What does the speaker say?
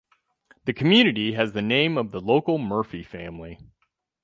The community has the name of the local Murphy family.